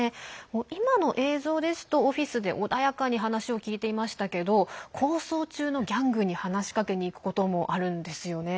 今の映像ですとオフィスで穏やかに話を聞いていましたけど抗争中のギャングに話しかけにいくこともあるんですよね。